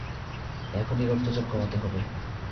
এখনই রক্তচাপ কমাতে হবে।